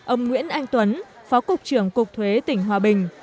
ông nguyễn anh tuấn phó cục trưởng cục thuế tỉnh hòa bình